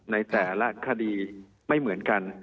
ในแต่ละคดีไม่เหมือนกัน